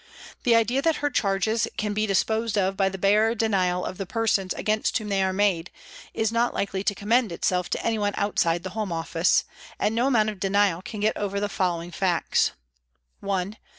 The idea that her charges can be disposed of by the bare denial of the persons against whom they are made, is not likely to com mend itself to anyone outside the Home Office, and no amount of denial can get over the following facts : THE HOME OFFICE 309 " 1.